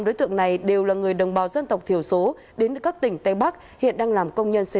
người này đều là người đồng bào dân tộc thiểu số đến các tỉnh tây bắc hiện đang làm công nhân xây